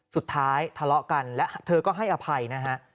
สุดท้ายทะเลาะกันแล้วเธอก็ให้อภัยนะฮะ